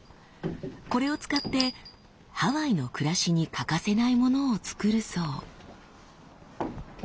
これを使ってハワイの暮らしに欠かせないものを作るそう。